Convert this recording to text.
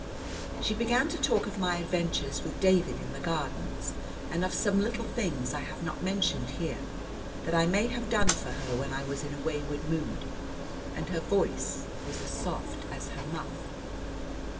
She began to talk of my adventures with David in the Gardens, and of some little things I have not mentioned here, that I may have done for her when I was in a wayward mood, and her voice was as soft as her muff.